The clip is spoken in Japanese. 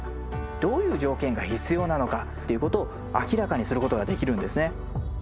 どういう条件が必要なのかっていうことを明らかにすることができるんですね。